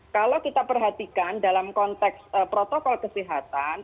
kalau kita perhatikan dalam konteks protokol kesehatan